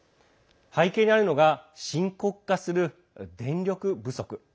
背景にあるのが深刻化する電力不足。